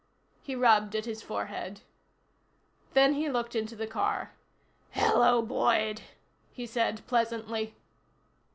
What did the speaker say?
He rubbed at his forehead. Then he looked into the car. "Hello, Boyd," he said pleasantly.